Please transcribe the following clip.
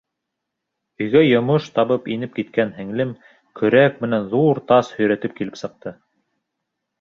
Өйгә йомош табып инеп киткән һеңлем, көрәк менән ҙур тас һөйрәтеп килеп сыҡты.